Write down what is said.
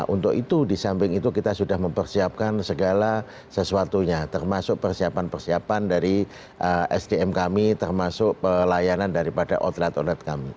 untuk itu di samping itu kita sudah mempersiapkan segala sesuatunya termasuk persiapan persiapan dari sdm kami termasuk pelayanan daripada outlet outlet kami